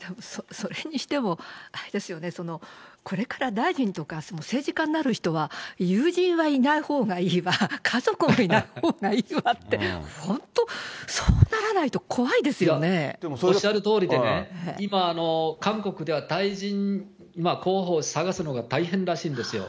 それにしても、あれですよね、これから大臣とか政治家になる人は、友人はいないほうがいいわ、家族もいないほうがいいわって、本当、おっしゃるとおりでね、今、韓国では大臣候補を探すのが大変らしいんですよ。